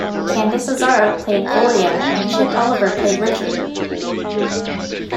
Candice Azzara played Gloria and Chip Oliver played Richard.